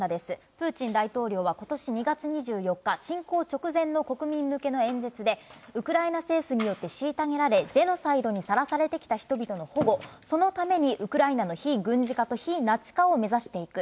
プーチン大統領はことし２月２４日、侵攻直前の国民向けの演説で、ウクライナ政府によってしいたげられ、ジェノサイドにさらされてきた人々の保護、そのためにウクライナの非軍事化と非ナチ化を目指していく。